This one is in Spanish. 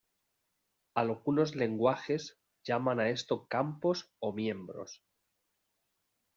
Algunos lenguajes llaman a esto "campos" o "miembros".